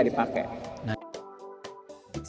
kita harus bisa pakai